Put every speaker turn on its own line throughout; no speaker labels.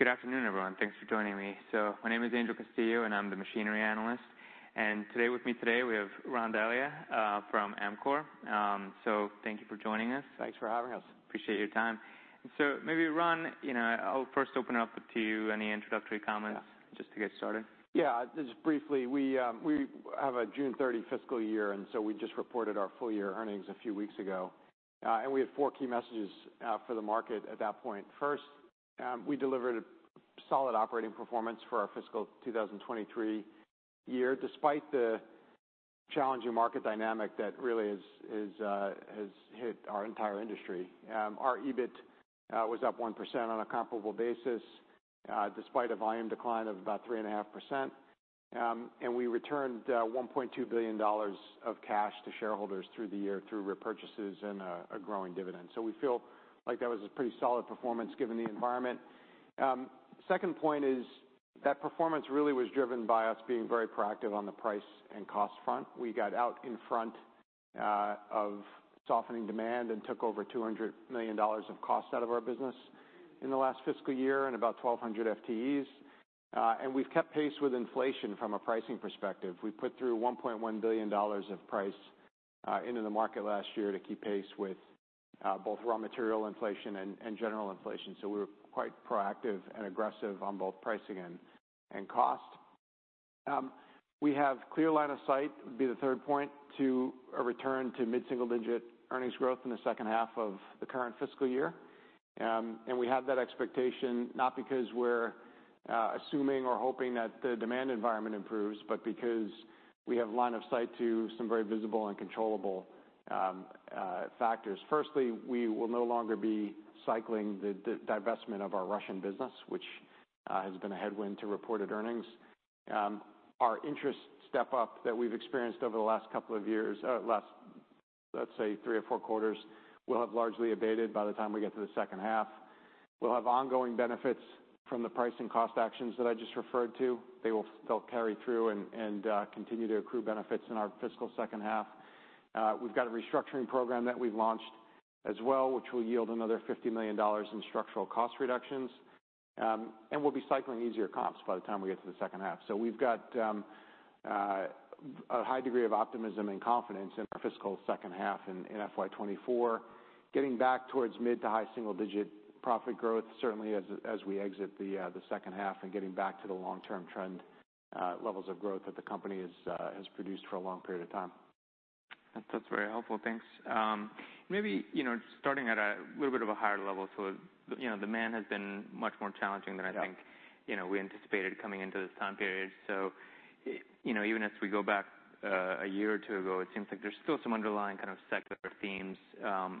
Good afternoon, everyone. Thanks for joining me. My name is Angel Castillo, and I'm the machinery analyst. Today, with me today, we have Ron Delia from Amcor. Thank you for joining us.
Thanks for having us.
Appreciate your time. So maybe, Ron, you know, I'll first open it up to you. Any introductory comments?
Yeah.
Just to get started?
Yeah, just briefly. We, we have a June 30 fiscal year, and so we just reported our full year earnings a few weeks ago, and we had four key messages for the market at that point. First, we delivered a solid operating performance for our fiscal 2023 year, despite the challenging market dynamic that really is has hit our entire industry. Our EBIT was up 1% on a comparable basis, despite a volume decline of about 3.5%. And we returned $1.2 billion of cash to shareholders through the year through repurchases and a growing dividend. So we feel like that was a pretty solid performance given the environment. Second point is that performance really was driven by us being very proactive on the price and cost front. We got out in front of softening demand and took over $200 million of costs out of our business in the last fiscal year and about 1,200 FTEs. And we've kept pace with inflation from a pricing perspective. We put through $1.1 billion of price into the market last year to keep pace with both raw material inflation and general inflation. So we were quite proactive and aggressive on both pricing and cost. We have clear line of sight, would be the third point, to a return to mid-single-digit earnings growth in the second half of the current fiscal year. And we have that expectation not because we're assuming or hoping that the demand environment improves, but because we have line of sight to some very visible and controllable factors. Firstly, we will no longer be cycling the divestment of our Russian business, which has been a headwind to reported earnings. Our interest step-up that we've experienced over the last couple of years, let's say three or four quarters, will have largely abated by the time we get to the second half. We'll have ongoing benefits from the price and cost actions that I just referred to. They'll carry through and continue to accrue benefits in our fiscal second half. We've got a restructuring program that we've launched as well, which will yield another $50 million in structural cost reductions. And we'll be cycling easier comps by the time we get to the second half. So we've got a high degree of optimism and confidence in our fiscal second half in FY 2024. Getting back towards mid- to high-single-digit profit growth, certainly as we exit the second half, and getting back to the long-term trend levels of growth that the company has produced for a long period of time.
That's very helpful. Thanks. Maybe, you know, starting at a little bit of a higher level. So, you know, demand has been much more challenging than I think-
Yeah...
you know, we anticipated coming into this time period. So, you know, even as we go back a year or two ago, it seems like there's still some underlying kind of secular themes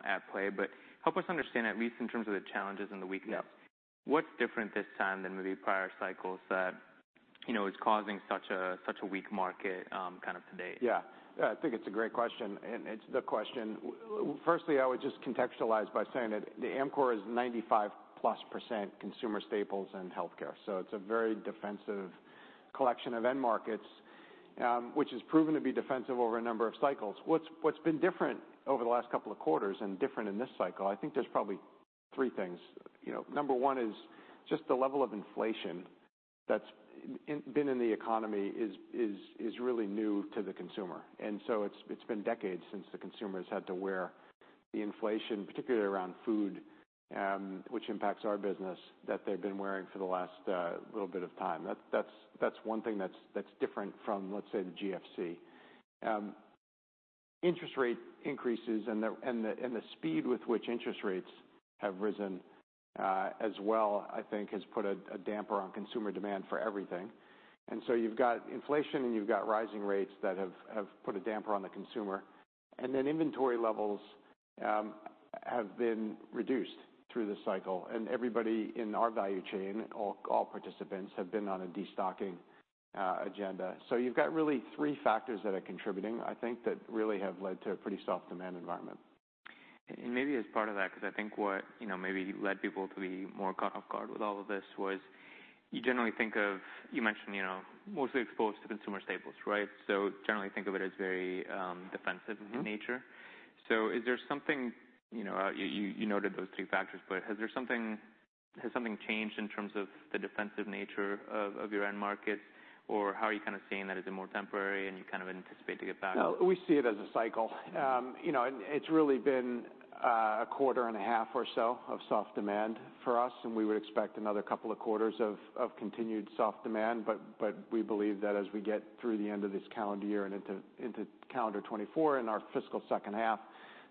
at play. But help us understand, at least in terms of the challenges and the weakness.
Yeah.
What's different this time than maybe prior cycles that, you know, is causing such a, such a weak market, kind of to date?
Yeah. I think it's a great question, and it's the question. Firstly, I would just contextualize by saying that the Amcor is 95%+ consumer staples and healthcare, so it's a very defensive collection of end markets, which has proven to be defensive over a number of cycles. What's been different over the last couple of quarters and different in this cycle, I think there's probably three things. You know, number one is just the level of inflation that's been in the economy is really new to the consumer. And so it's been decades since the consumers had to wear the inflation, particularly around food, which impacts our business, that they've been wearing for the last little bit of time. That's one thing that's different from, let's say, the GFC. Interest rate increases and the speed with which interest rates have risen, as well, I think has put a damper on consumer demand for everything. And so you've got inflation, and you've got rising rates that have put a damper on the consumer. And then inventory levels have been reduced through the cycle, and everybody in our value chain, all participants, have been on a destocking agenda. So you've got really three factors that are contributing, I think, that really have led to a pretty soft demand environment.
And maybe as part of that, because I think what, you know, maybe led people to be more caught off guard with all of this was you generally think of... You mentioned, you know, mostly exposed to consumer staples, right? So generally think of it as very, defensive-
Mm-hmm...
in nature. So is there something, you know, you noted those three factors, but is there something? Has something changed in terms of the defensive nature of your end markets? Or how are you kind of seeing that? Is it more temporary, and you kind of anticipate to get back?
No, we see it as a cycle. You know, and it's really been a quarter and a half or so of soft demand for us, and we would expect another couple of quarters of continued soft demand. But we believe that as we get through the end of this calendar year and into calendar 2024 and our fiscal second half,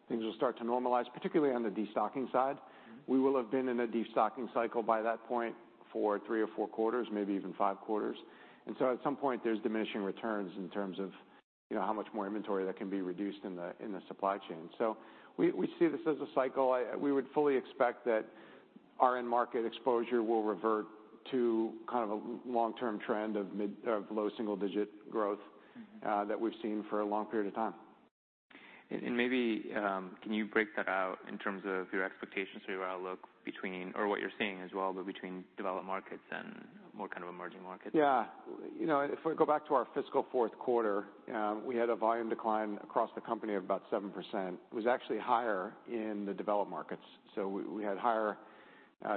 things will start to normalize, particularly on the destocking side.
Mm-hmm.
We will have been in a destocking cycle by that point for three or four quarters, maybe even five quarters. And so at some point, there's diminishing returns in terms of, you know, how much more inventory that can be reduced in the, in the supply chain. So we, we see this as a cycle. We would fully expect that our end market exposure will revert to kind of a long-term trend of mid, of low single-digit growth-
Mm-hmm...
that we've seen for a long period of time.
And maybe can you break that out in terms of your expectations for your outlook between, or what you're seeing as well, but between developed markets and more kind of emerging markets?
Yeah. You know, if we go back to our fiscal fourth quarter, we had a volume decline across the company of about 7%. It was actually higher in the developed markets, so we had higher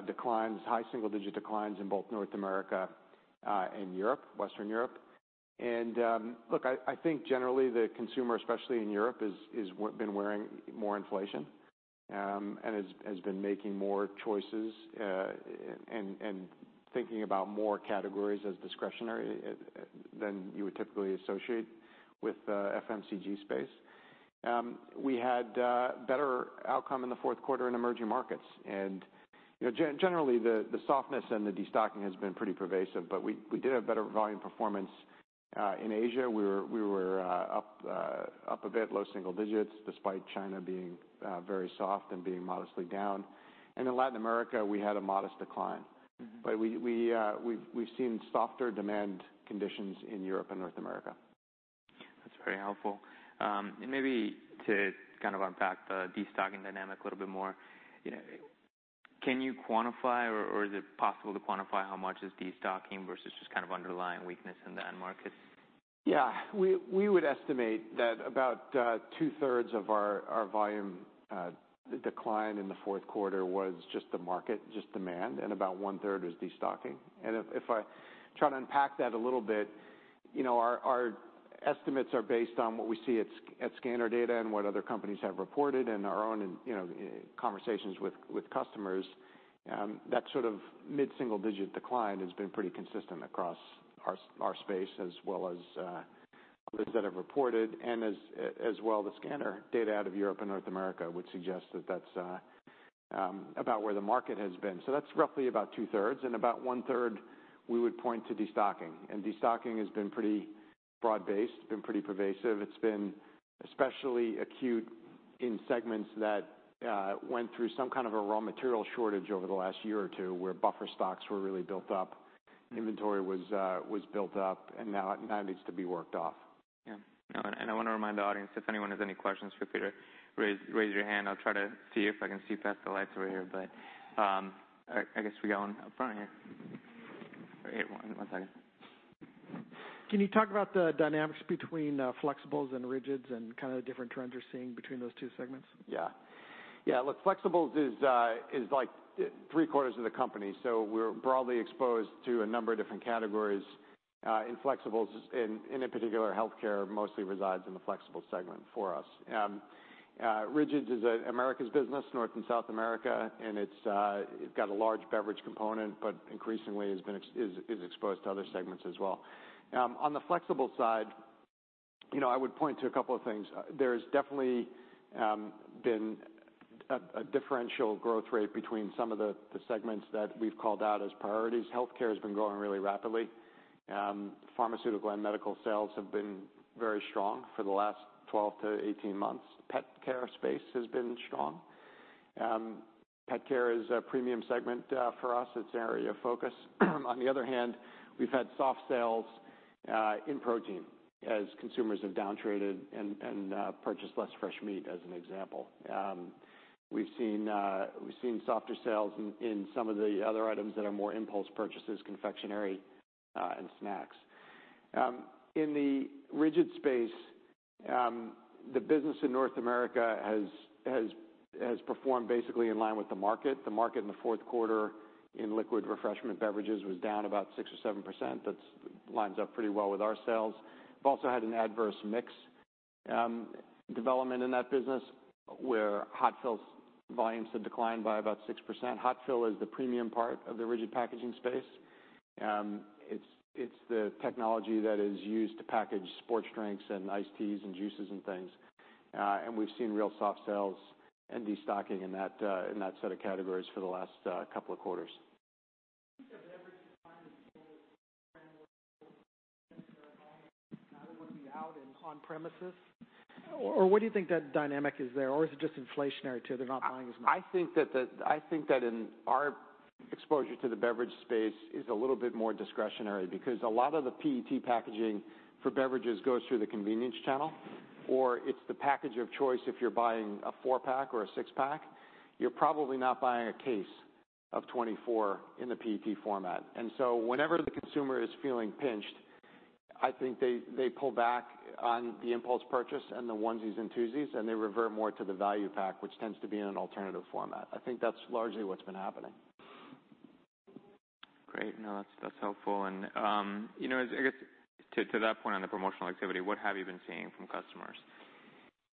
declines, high single-digit declines in both North America and Europe, Western Europe. Look, I think generally the consumer, especially in Europe, has been wearing more inflation and has been making more choices and thinking about more categories as discretionary than you would typically associate with the FMCG space. We had better outcome in the fourth quarter in emerging markets. You know, generally, the softness and the destocking has been pretty pervasive, but we did have better volume performance. In Asia, we were up a bit, low single digits, despite China being very soft and being modestly down. In Latin America, we had a modest decline.
Mm-hmm.
But we've seen softer demand conditions in Europe and North America.
That's very helpful. And maybe to kind of unpack the destocking dynamic a little bit more, you know, can you quantify, or, or is it possible to quantify how much is destocking versus just kind of underlying weakness in the end markets?
Yeah. We would estimate that about 2/3 of our volume decline in the fourth quarter was just the market, just demand, and about 1/3 was destocking. And if I try to unpack that a little bit, you know, our estimates are based on what we see at scanner data and what other companies have reported, and our own, you know, conversations with customers. That sort of mid-single-digit decline has been pretty consistent across our space, as well as others that have reported, and as well, the scanner data out of Europe and North America, which suggests that that's about where the market has been. So that's roughly about 2/3, and about 1/3, we would point to destocking. And destocking has been pretty broad-based, been pretty pervasive. It's been especially acute in segments that went through some kind of a raw material shortage over the last year or two, where buffer stocks were really built up.
Mm-hmm.
Inventory was built up, and now it needs to be worked off.
Yeah. I want to remind the audience, if anyone has any questions for Peter, raise your hand. I'll try to see if I can see past the lights over here. But I guess we got one up front here. Wait, one second.
Can you talk about the dynamics between, flexibles and rigids, and kind of the different trends you're seeing between those two segments?
Yeah. Yeah, look, flexibles is, like, three-quarters of the company, so we're broadly exposed to a number of different categories in flexibles. In particular, healthcare mostly resides in the flexible segment for us. Rigids is an Americas business, North and South America, and it's got a large beverage component, but increasingly has been exposed to other segments as well. On the flexible side, you know, I would point to a couple of things. There's definitely been a differential growth rate between some of the segments that we've called out as priorities. Healthcare has been growing really rapidly. Pharmaceutical and medical sales have been very strong for the last 12-18 months. Pet care space has been strong. Pet care is a premium segment for us. It's an area of focus. On the other hand, we've had soft sales in protein, as consumers have downtraded and purchased less fresh meat, as an example. We've seen softer sales in some of the other items that are more impulse purchases, confectionery, and snacks. In the rigid space, the business in North America has performed basically in line with the market. The market in the fourth quarter in liquid refreshment beverages was down about 6%-7%. That lines up pretty well with our sales. We've also had an adverse mix development in that business, where hot fill volumes have declined by about 6%. Hot fill is the premium part of the rigid packaging space. It's the technology that is used to package sports drinks and iced teas and juices and things, and we've seen real soft sales and destocking in that set of categories for the last couple of quarters.
either want to be out and on premises? Or what do you think that dynamic is there? Or is it just inflationary, too, they're not buying as much?
I think that in our exposure to the beverage space is a little bit more discretionary, because a lot of the PET packaging for beverages goes through the convenience channel, or it's the package of choice if you're buying a 4-pack or a 6-pack. You're probably not buying a case of 24 in the PET format. And so whenever the consumer is feeling pinched, I think they pull back on the impulse purchase and the onesies and twosies, and they revert more to the value pack, which tends to be in an alternative format. I think that's largely what's been happening.
Great. No, that's, that's helpful. And, you know, I guess to that point, on the promotional activity, what have you been seeing from customers?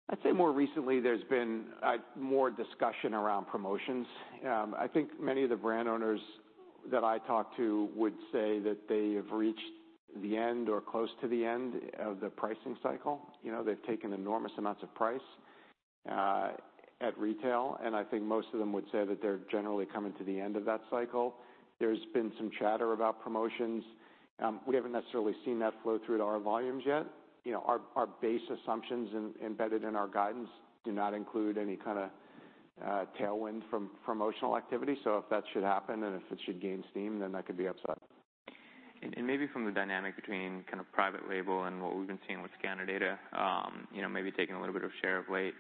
I'd say more recently, there's been more discussion around promotions. I think many of the brand owners that I talk to would say that they have reached the end or close to the end of the pricing cycle. You know, they've taken enormous amounts of price at retail, and I think most of them would say that they're generally coming to the end of that cycle. There's been some chatter about promotions. We haven't necessarily seen that flow through to our volumes yet. You know, our base assumptions embedded in our guidance do not include any kind of tailwind from promotional activity. So if that should happen, and if it should gain steam, then that could be upside.
And maybe from the dynamic between kind of private label and what we've been seeing with scanner data, you know, maybe taking a little bit of share of late,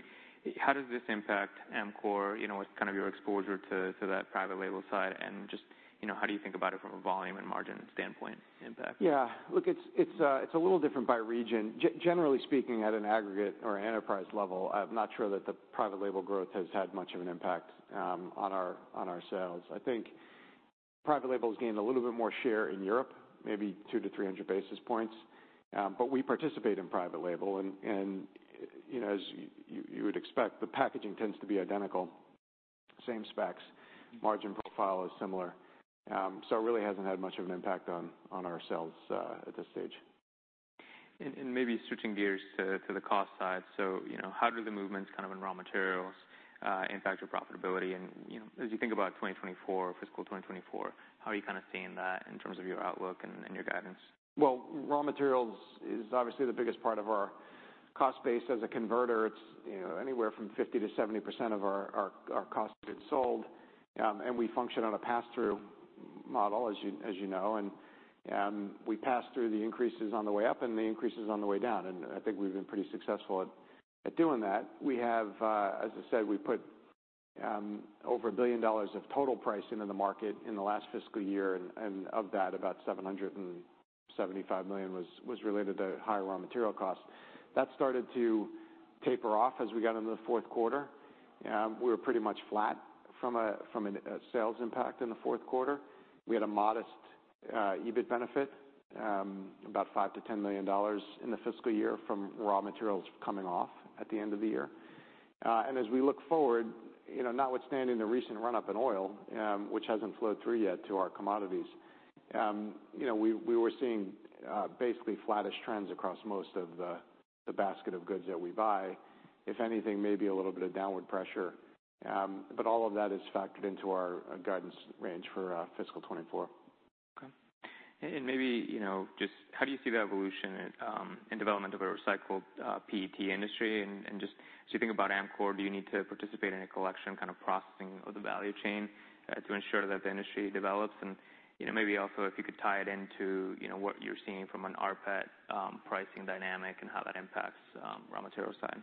how does this impact Amcor, you know, with kind of your exposure to that private label side? And just, you know, how do you think about it from a volume and margin standpoint impact?
Yeah. Look, it's a little different by region. Generally speaking, at an aggregate or enterprise level, I'm not sure that the private label growth has had much of an impact on our sales. I think private label has gained a little bit more share in Europe, maybe 200-300 basis points. But we participate in private label, and you know, as you would expect, the packaging tends to be identical, same specs, margin profile is similar. So it really hasn't had much of an impact on our sales at this stage.
Maybe switching gears to the cost side. So, you know, how do the movements kind of in raw materials impact your profitability? And, you know, as you think about 2024, fiscal 2024, how are you kind of seeing that in terms of your outlook and your guidance?
Well, raw materials is obviously the biggest part of our cost base. As a converter, it's, you know, anywhere from 50%-70% of our cost of goods sold. And we function on a pass-through model, as you know, and we pass through the increases on the way up and the increases on the way down, and I think we've been pretty successful at doing that. We have, as I said, we put over $1 billion of total pricing in the market in the last fiscal year, and of that, about $775 million was related to higher raw material costs. That started to taper off as we got into the fourth quarter. We were pretty much flat from a sales impact in the fourth quarter. We had a modest EBIT benefit about $5-$10 million in the fiscal year from raw materials coming off at the end of the year. And as we look forward, you know, notwithstanding the recent run-up in oil, which hasn't flowed through yet to our commodities, you know, we were seeing basically flattish trends across most of the basket of goods that we buy. If anything, maybe a little bit of downward pressure, but all of that is factored into our guidance range for fiscal 2024.
Okay. And maybe, you know, just how do you see the evolution, and development of a recycled PET industry? And just as you think about Amcor, do you need to participate in a collection kind of processing of the value chain to ensure that the industry develops? And, you know, maybe also if you could tie it into, you know, what you're seeing from an RPET pricing dynamic and how that impacts raw material side.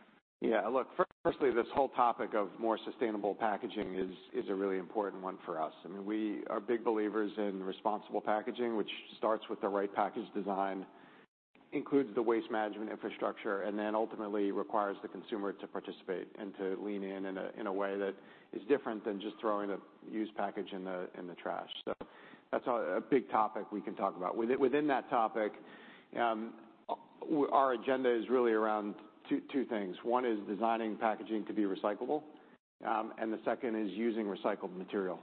Yeah. Look, firstly, this whole topic of more sustainable packaging is a really important one for us. I mean, we are big believers in responsible packaging, which starts with the right package design, includes the waste management infrastructure, and then ultimately requires the consumer to participate and to lean in in a way that is different than just throwing a used package in the trash. So that's a big topic we can talk about. Within that topic, our agenda is really around two things. One is designing packaging to be recyclable, and the second is using recycled material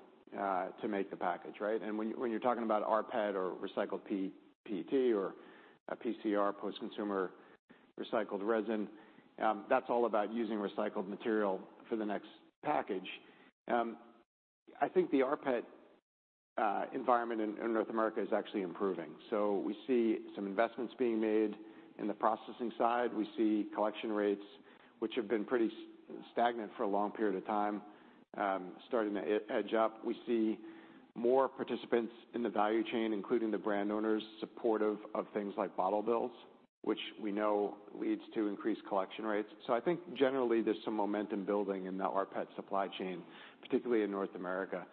to make the package, right? And when you're talking about RPET or recycled PET or PCR, post-consumer recycled resin, that's all about using recycled material for the next package. I think the RPET environment in North America is actually improving. So we see some investments being made in the processing side. We see collection rates, which have been pretty stagnant for a long period of time, starting to edge up. We see more participants in the value chain, including the brand owners, supportive of things like bottle bills, which we know leads to increased collection rates. So I think generally there's some momentum building in the RPET supply chain, particularly in North America.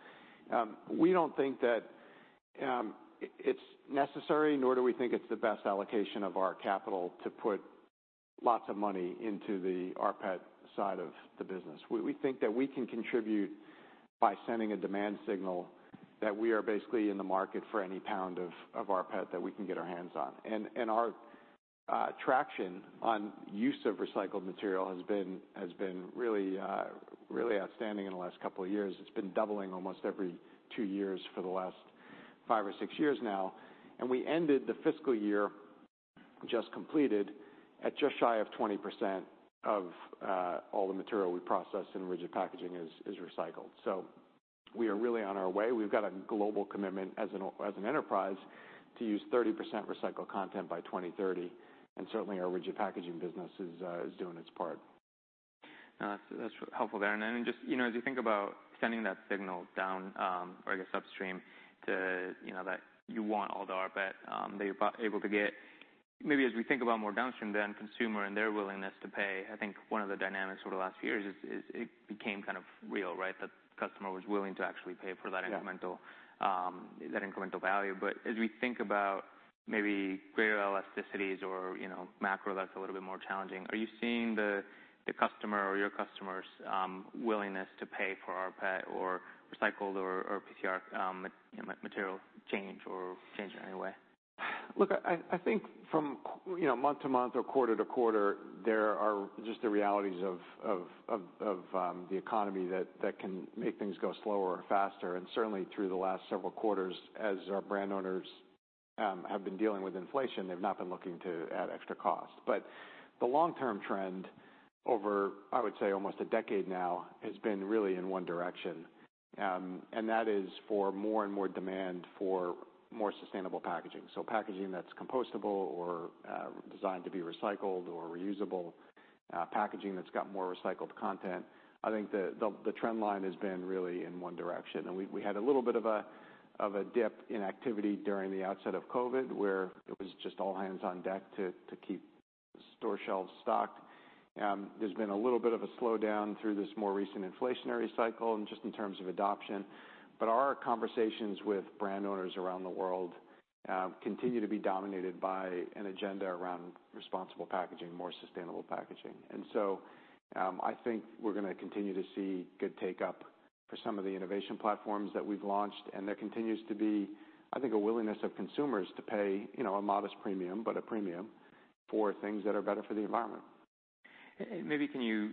We don't think that it's necessary, nor do we think it's the best allocation of our capital to put lots of money into the RPET side of the business. We think that we can contribute by sending a demand signal that we are basically in the market for any pound of RPET that we can get our hands on. And our traction on use of recycled material has been really outstanding in the last couple of years. It's been doubling almost every two years for the last five or six years now, and we ended the fiscal year just completed at just shy of 20% of all the material we processed in rigid packaging is recycled. So we are really on our way. We've got a global commitment as an enterprise to use 30% recycled content by 2030, and certainly our rigid packaging business is doing its part.
That's, that's helpful there. And then just, you know, as you think about sending that signal down, or I guess upstream, to, you know, that you want all the RPET that you're able to get, maybe as we think about more downstream, then consumer and their willingness to pay, I think one of the dynamics over the last few years is, is it became kind of real, right? That the customer was willing to actually pay for that-
Yeah...
incremental, that incremental value. But as we think about maybe greater elasticities or, you know, macro that's a little bit more challenging, are you seeing the customer or your customers' willingness to pay for RPET or recycled or PCR material change or change in any way?
Look, I think from, you know, month to month or quarter to quarter, there are just the realities of the economy that can make things go slower or faster. And certainly, through the last several quarters, as our brand owners have been dealing with inflation, they've not been looking to add extra cost. But the long-term trend over, I would say, almost a decade now, has been really in one direction, and that is for more and more demand for more sustainable packaging. So packaging that's compostable or designed to be recycled or reusable, packaging that's got more recycled content, I think the trend line has been really in one direction. And we had a little bit of a dip in activity during the outset of COVID, where it was just all hands on deck to keep store shelves stocked. There's been a little bit of a slowdown through this more recent inflationary cycle and just in terms of adoption. But our conversations with brand owners around the world continue to be dominated by an agenda around responsible packaging, more sustainable packaging. And so, I think we're gonna continue to see good take up for some of the innovation platforms that we've launched, and there continues to be, I think, a willingness of consumers to pay, you know, a modest premium, but a premium for things that are better for the environment.
Maybe can you,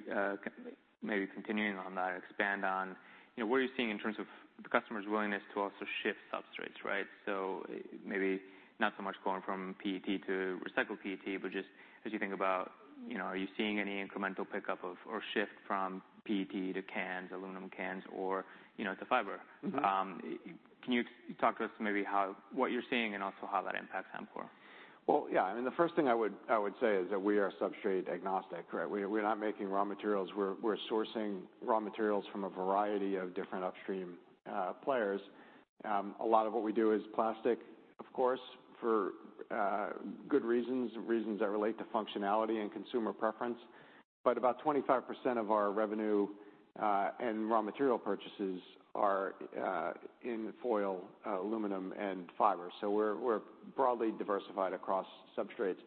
maybe continuing on that, expand on, you know, what are you seeing in terms of the customer's willingness to also shift substrates, right? So maybe not so much going from PET to recycled PET, but just as you think about, you know, are you seeing any incremental pickup of or shift from PET to cans, aluminum cans, or, you know, to fiber?
Mm-hmm.
Can you talk to us maybe how what you're seeing and also how that impacts Amcor?
Well, yeah. I mean, the first thing I would say is that we are substrate agnostic, right? We're not making raw materials. We're sourcing raw materials from a variety of different upstream players. A lot of what we do is plastic, of course, for good reasons, reasons that relate to functionality and consumer preference. But about 25% of our revenue and raw material purchases are in foil, aluminum and fiber. So we're broadly diversified across substrates.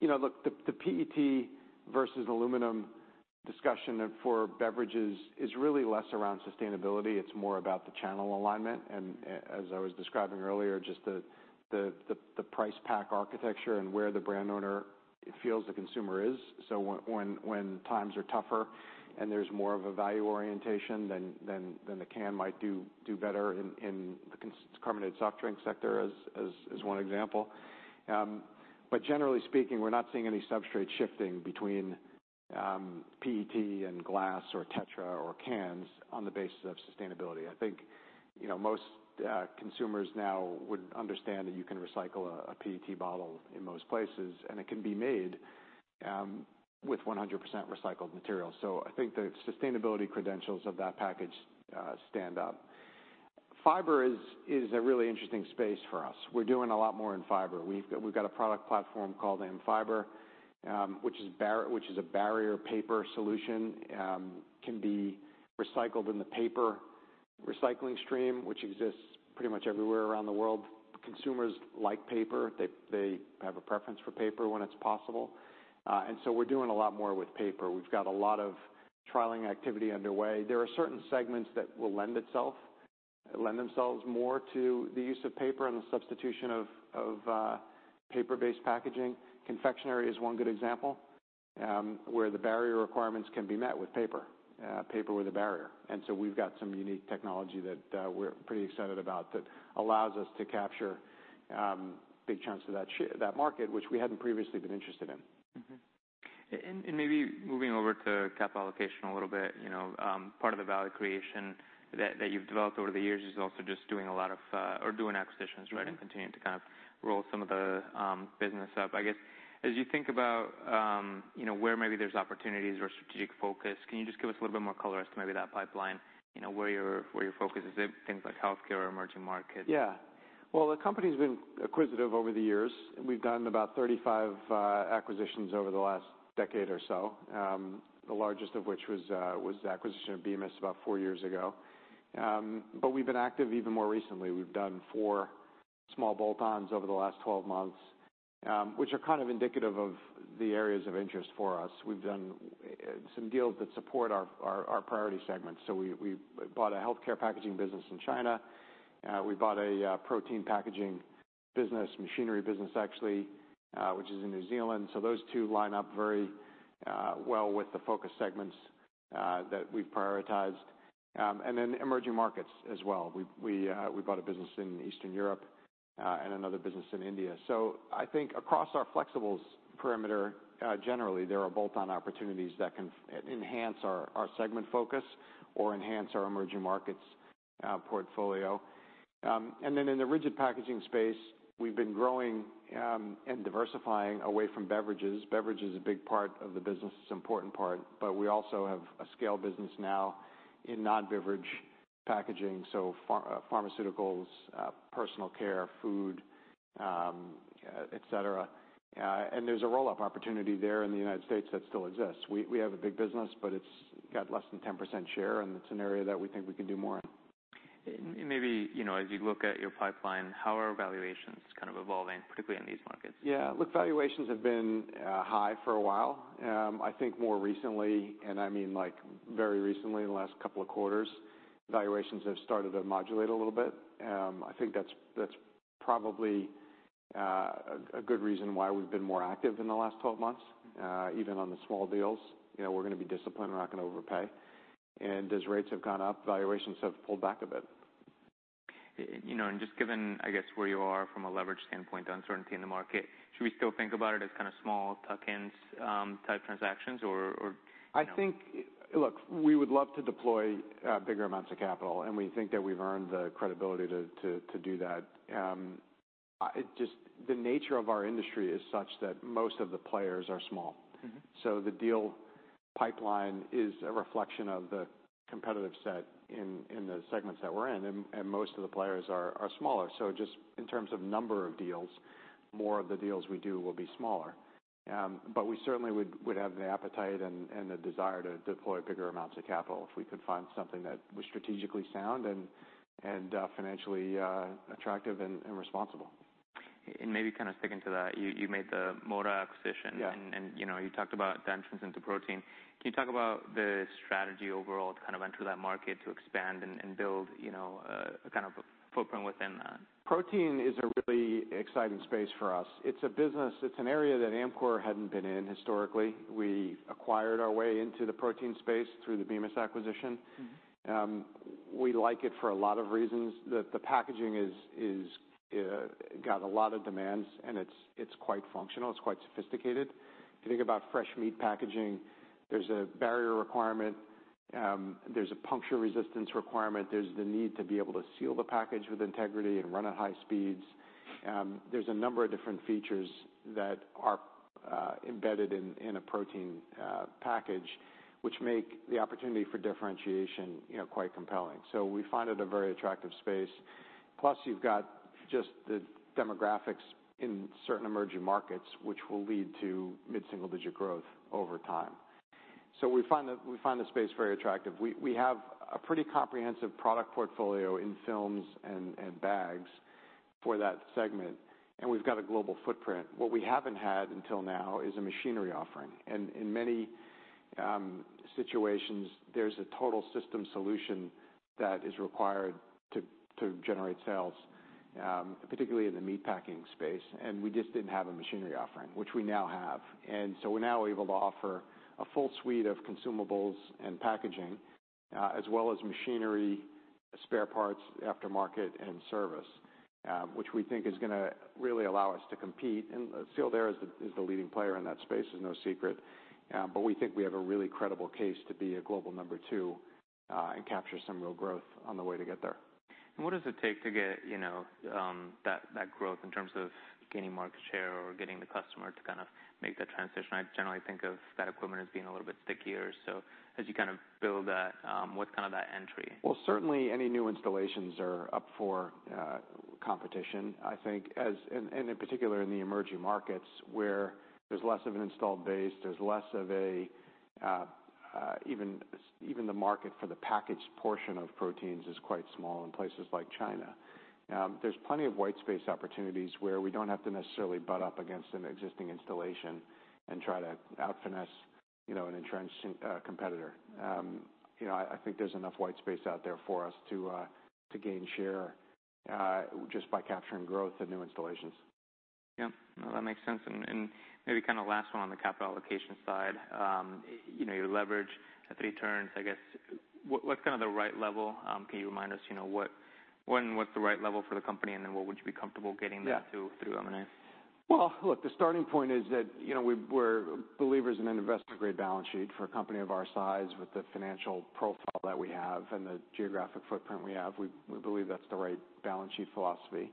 You know, look, the PET versus aluminum discussion for beverages is really less around sustainability. It's more about the channel alignment, and as I was describing earlier, just the price pack architecture and where the brand owner feels the consumer is. So when times are tougher and there's more of a value orientation, then the can might do better in the carbonated soft drink sector as one example. But generally speaking, we're not seeing any substrate shifting between PET and glass or Tetra or cans on the basis of sustainability. I think, you know, most consumers now would understand that you can recycle a PET bottle in most places, and it can be made with 100% recycled material. So I think the sustainability credentials of that package stand up. Fiber is a really interesting space for us. We're doing a lot more in fiber. We've got a product platform called AmFiber, which is a barrier paper solution. Can be recycled in the paper recycling stream, which exists pretty much everywhere around the world. Consumers like paper. They have a preference for paper when it's possible. And so we're doing a lot more with paper. We've got a lot of trialing activity underway. There are certain segments that will lend themselves more to the use of paper and the substitution of paper-based packaging. Confectionery is one good example, where the barrier requirements can be met with paper with a barrier. And so we've got some unique technology that we're pretty excited about, that allows us to capture big chunks of that market, which we hadn't previously been interested in.
Mm-hmm. And maybe moving over to capital allocation a little bit, you know, part of the value creation that you've developed over the years is also just doing a lot of acquisitions, right?
Mm-hmm.
Continuing to kind of roll some of the business up. I guess, as you think about, you know, where maybe there's opportunities or strategic focus, can you just give us a little bit more color as to maybe that pipeline? You know, where your, where your focus is in things like healthcare or emerging markets.
Yeah. Well, the company's been acquisitive over the years. We've done about 35 acquisitions over the last decade or so, the largest of which was the acquisition of Bemis about four years ago. But we've been active even more recently. We've done four small bolt-ons over the last 12 months, which are kind of indicative of the areas of interest for us. We've done some deals that support our priority segments. So we bought a healthcare packaging business in China. We bought a protein packaging business, machinery business actually, which is in New Zealand. So those two line up very well with the focus segments that we've prioritized. And then emerging markets as well. We bought a business in Eastern Europe, and another business in India. So I think across our flexibles perimeter, generally, there are bolt-on opportunities that can enhance our segment focus or enhance our emerging markets portfolio. And then in the rigid packaging space, we've been growing and diversifying away from beverages. Beverage is a big part of the business. It's an important part, but we also have a scale business now in non-beverage packaging, so pharmaceuticals, personal care, food, et cetera. And there's a roll-up opportunity there in the United States that still exists. We have a big business, but it's got less than 10% share, and it's an area that we think we can do more in.
Maybe, you know, as you look at your pipeline, how are valuations kind of evolving, particularly in these markets?
Yeah. Look, valuations have been high for a while. I think more recently, and I mean, like very recently, in the last couple of quarters, valuations have started to modulate a little bit. I think that's probably a good reason why we've been more active in the last 12 months, even on the small deals. You know, we're gonna be disciplined. We're not gonna overpay. And as rates have gone up, valuations have pulled back a bit.
You know, and just given, I guess, where you are from a leverage standpoint, the uncertainty in the market, should we still think about it as kind of small tuck-ins, type transactions, or, or, you know?
I think... Look, we would love to deploy bigger amounts of capital, and we think that we've earned the credibility to do that. It just, the nature of our industry is such that most of the players are small.
Mm-hmm.
So the deal pipeline is a reflection of the competitive set in the segments that we're in, and most of the players are smaller. So just in terms of number of deals, more of the deals we do will be smaller. But we certainly would have the appetite and the desire to deploy bigger amounts of capital if we could find something that was strategically sound and financially attractive and responsible.
Maybe kind of sticking to that, you made the Moda acquisition-
Yeah.
you know, you talked about the entrance into protein. Can you talk about the strategy overall to kind of enter that market, to expand and build, you know, a kind of footprint within that?
Protein is a really exciting space for us. It's a business, it's an area that Amcor hadn't been in historically. We acquired our way into the protein space through the Bemis acquisition.
Mm-hmm.
We like it for a lot of reasons. The packaging is got a lot of demands, and it's quite functional, it's quite sophisticated. If you think about fresh meat packaging, there's a barrier requirement, there's a puncture resistance requirement. There's the need to be able to seal the package with integrity and run at high speeds. There's a number of different features that are embedded in a protein package, which make the opportunity for differentiation, you know, quite compelling. So we find it a very attractive space. Plus, you've got just the demographics in certain emerging markets, which will lead to mid-single-digit growth over time. So we find the space very attractive. We have a pretty comprehensive product portfolio in films and bags for that segment, and we've got a global footprint. What we haven't had until now is a machinery offering, and in many situations, there's a total system solution that is required to generate sales, particularly in the meatpacking space, and we just didn't have a machinery offering, which we now have. And so we're now able to offer a full suite of consumables and packaging, as well as machinery, spare parts, aftermarket and service, which we think is gonna really allow us to compete. And Sealed Air is the leading player in that space. It's no secret, but we think we have a really credible case to be a global number two, and capture some real growth on the way to get there.
What does it take to get, you know, that, that growth, in terms of gaining market share or getting the customer to kind of make that transition? I generally think of that equipment as being a little bit stickier. As you kind of build that, what's kind of that entry?
Well, certainly any new installations are up for competition. I think, in particular, in the emerging markets, where there's less of an installed base, there's less of a... Even the market for the packaged portion of proteins is quite small in places like China. There's plenty of white space opportunities where we don't have to necessarily butt up against an existing installation and try to out-finesse, you know, an entrenched competitor. You know, I think there's enough white space out there for us to gain share just by capturing growth and new installations.
Yep. No, that makes sense. And maybe kind of last one on the capital allocation side. You know, your leverage at three turns, I guess, what, what's kind of the right level? Can you remind us, you know, what- when what's the right level for the company, and then what would you be comfortable getting-
Yeah.
that through M&A?
Well, look, the starting point is that, you know, we're believers in an investment-grade balance sheet. For a company of our size, with the financial profile that we have and the geographic footprint we have, we believe that's the right balance sheet philosophy.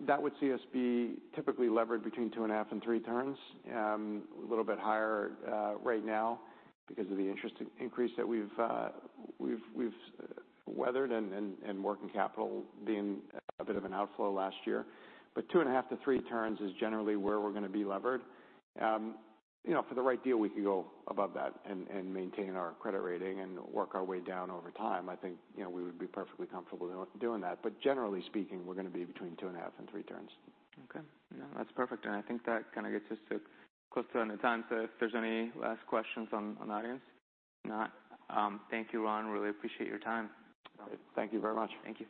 That would see us be typically levered between 2.5x and 3x. A little bit higher right now because of the interest increase that we've weathered and working capital being a bit of an outflow last year. But 2.5x-3x is generally where we're gonna be levered. You know, for the right deal, we could go above that and maintain our credit rating and work our way down over time. I think, you know, we would be perfectly comfortable with doing that. Generally speaking, we're gonna be between 2.5x and 3x.
Okay. Yeah, that's perfect, and I think that kind of gets us to close to on the time. So if there's any last questions from, from the audience? If not, thank you, Ron. Really appreciate your time.
Thank you very much.
Thank you.